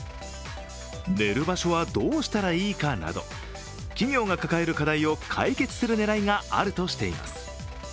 寝る場所はどうしたらいいかなど企業が抱える課題を解決する狙いがあるとしています。